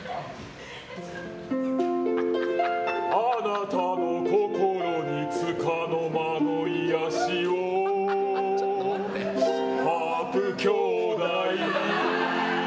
あなたの心につかの間の癒やしをハープ兄弟。